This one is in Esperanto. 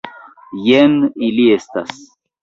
Jen ili estas.